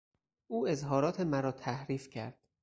او اظهارات مرا تحریف کرد.